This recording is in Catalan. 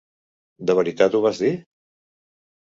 De veritat ho vas dir?